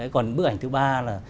còn bức ảnh thứ ba là